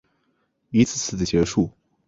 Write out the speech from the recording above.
一次次的结束